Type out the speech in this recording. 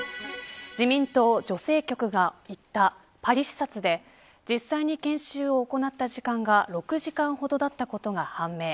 自民党女性局が行ったパリ視察で実際に研修を行った時間が６時間ほどだったことが判明。